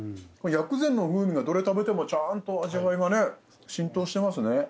薬膳の風味がどれ食べてもちゃんと味わいがね浸透してますね。